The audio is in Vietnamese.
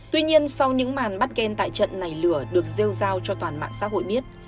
tuy nhiên sau những màn bắt gan tại trận này lửa được rêu giao cho toàn mạng xã hội biết